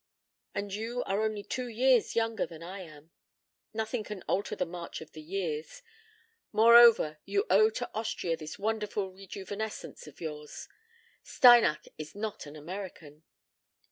And you are only two years younger than I am. Nothing can alter the march of the years. Moreover, you owe to Austria this wonderful rejuvenescence of yours. Steinach is not an American."